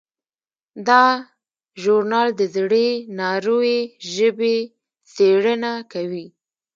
دا ژورنال د زړې ناروېي ژبې څیړنه کوي.